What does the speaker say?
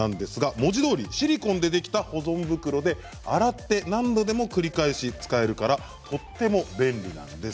文字どおりシリコンでできた保存袋で洗って何度でも繰り返し使えるからとても便利なんです。